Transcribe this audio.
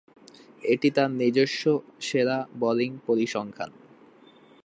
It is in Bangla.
এটিই তার নিজস্ব সেরা বোলিং পরিসংখ্যান।